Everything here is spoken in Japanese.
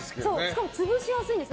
しかも潰しやすいんです。